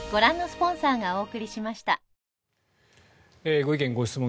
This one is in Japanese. ご意見・ご質問